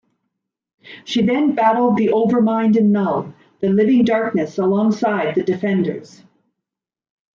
She then battled the Overmind and Null, the Living Darkness alongside the Defenders.